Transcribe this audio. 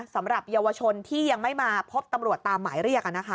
สำหรับเยาวชนที่ยังไม่มาพบตำรวจตามหมายเรียก